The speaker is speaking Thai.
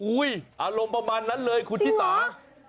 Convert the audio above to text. อารมณ์ประมาณนั้นเลยคุณชิสา